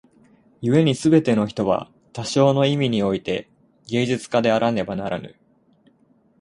故に凡ての人は多少の意味に於て芸術家であらねばならぬ。